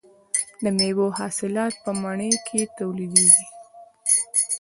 د میوو حاصلات په مني کې ټولېږي.